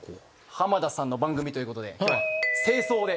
浜田さんの番組ということで今日は正装で。